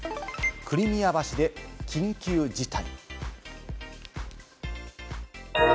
クリミア橋で緊急事態。